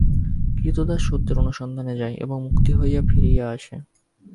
ক্রীতদাস সত্যের অনুসন্ধানে যায়, এবং মুক্ত হইয়া ফিরিয়া আসে।